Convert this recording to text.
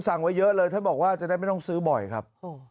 สั่งไว้เยอะเลยท่านบอกว่าจะได้ไม่ต้องซื้อบ่อยครับ